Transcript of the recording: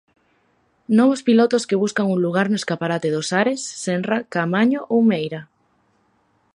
Novos pilotos que buscan un lugar no escaparate dos Ares, Senra, Caamaño ou Meira.